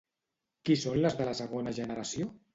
Qui són les de la segona generació?